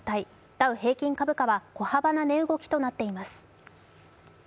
ダウ平均株価は小幅な値動きとなっています